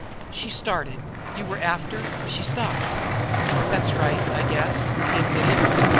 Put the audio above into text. She started. "You were after " She stopped. "That's right, I guess," he admitted.